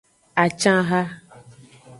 Acanha.